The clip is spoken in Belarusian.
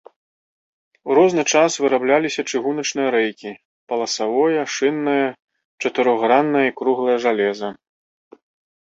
У розны час вырабляліся чыгуначныя рэйкі, паласавое, шыннае, чатырохграннае і круглае жалеза.